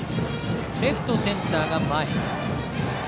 レフト、センターが前。